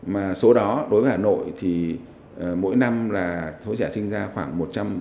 mà số đó đối với hà nội thì mỗi năm là số trẻ sinh ra khoảng một trăm linh